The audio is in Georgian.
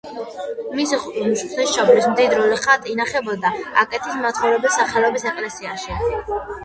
მისი ღვთისმშობლის მდიდრული ხატი ინახებოდა აკეთის მაცხოვრის სახელობის ეკლესიაში.